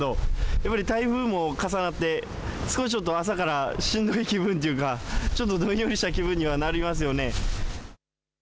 やっぱり台風も重なって少しちょっと朝からしんどい気分というかちょっとどんよりした気分にはなりますよね。